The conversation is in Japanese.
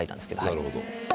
なるほど。